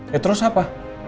ya terus apa